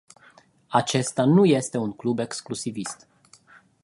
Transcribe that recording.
Acesta nu este un club exclusivist.